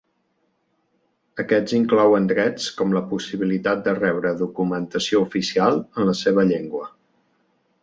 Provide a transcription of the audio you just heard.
Aquests inclouen drets com la possibilitat de rebre documentació oficial en la seva llengua.